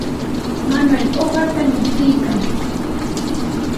Manuel uqata mikuykan.